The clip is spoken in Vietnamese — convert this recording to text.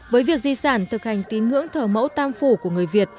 với việc di sản thực hành tín ngưỡng thờ mẫu tam phủ của người việt